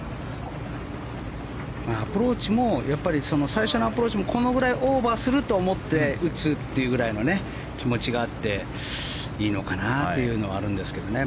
最初のアプローチもこのぐらいオーバーすると思って打つっていうぐらいの気持ちがあっていいのかなっていうのはあるんですけどね。